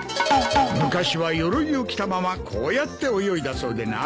昔はよろいを着たままこうやって泳いだそうでな。